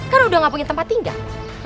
karena udah gak punya tempat tinggal